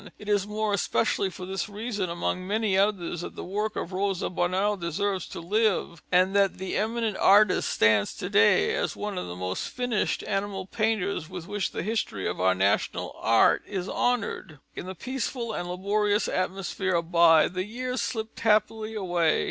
It is more especially for this reason, among many others, that the work of Rosa Bonheur deserves to live, and that the eminent artist stands to day as one of the most finished animal painters with which the history of our national art is honoured." In the peaceful and laborious atmosphere of By, the years slipped happily away.